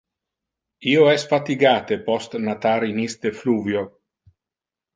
Io es fatigate post natar in iste fluvio.